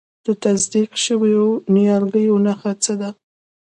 د تصدیق شویو نیالګیو نښه څه ده؟